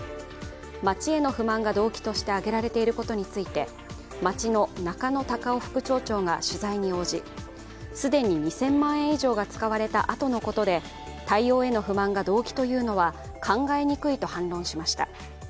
町への不満が動機として挙げられていることについて、町の中野貴夫副町長が取材に応じ既に２０００万円以上が使われたあとのことで対応への不満が動機というのは考えにくいと反論しました。